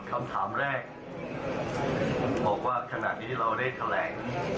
ครับคำถามแรกบอกว่าขนาดนี้เราได้แขลง